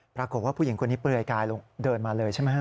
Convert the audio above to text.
ปรากฏว่าผู้หญิงคนนี้เปลือยกายลงเดินมาเลยใช่ไหมฮะ